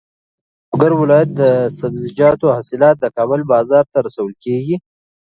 ایا د لوګر ولایت د سبزیجاتو حاصلات د کابل بازار ته رسول کېږي؟